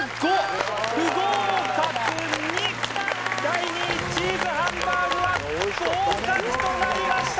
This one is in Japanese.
第２位チーズハンバーグは合格となりました！